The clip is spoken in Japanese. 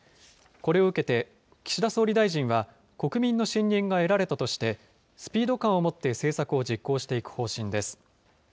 これを受けて、岸田総理大臣は国民の信任が得られたとして、スピード感を持って政策を実行していく方針です。